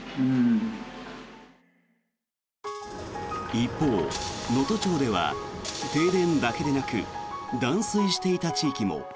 一方、能登町では停電だけでなく断水していた地域も。